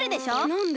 なんで？